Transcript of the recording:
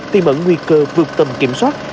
tìm ẩn nguy cơ vượt tầm kiểm soát